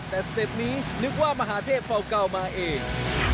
แต่สเต็ปนี้นึกว่ามหาเทพเก่ามาเอง